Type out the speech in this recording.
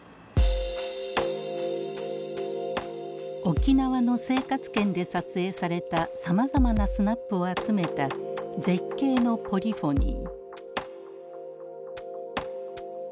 沖縄の生活圏で撮影されたさまざまなスナップを集めた「絶景のポリフォニー」。